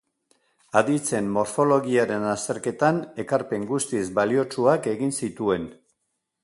Aditzen morfologiaren azterketan ekarpen guztiz baliotsuak egin zituen.